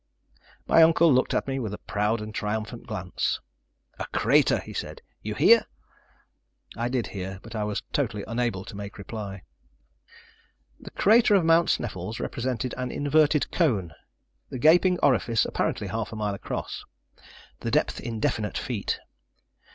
My uncle looked at me with a proud and triumphant glance. "A crater," he said, "you hear?" I did hear, but I was totally unable to make reply. The crater of Mount Sneffels represented an inverted cone, the gaping orifice apparently half a mile across; the depth indefinite feet.